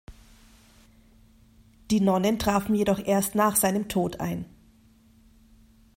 Die Nonnen trafen jedoch erst nach seinem Tod ein.